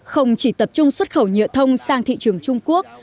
không chỉ tập trung xuất khẩu nhựa thông sang thị trường trung quốc